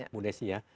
mudah sih ya